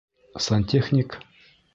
Сантехник?